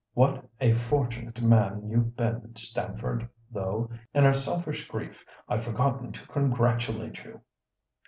What a fortunate man you've been, Stamford, though, in our selfish grief, I've forgotten to congratulate you."